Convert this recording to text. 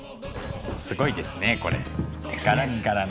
すごいですねこれ柄柄の。